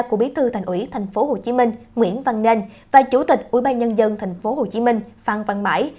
của bí thư thành ủy tp hcm nguyễn văn nên và chủ tịch ubnd tp hcm phan văn mãi